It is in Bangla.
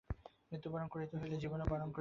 মৃত্যু বারণ করিতে হইলে জীবনও বারণ করিতে হইবে।